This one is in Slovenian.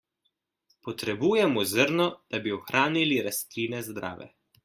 Potrebujemo zrno, da bi ohranili rastline zdrave.